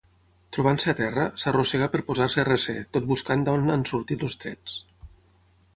Trobant-se a terra, s'arrossega per posar-se a recer, tot buscant d'on han sortit els trets.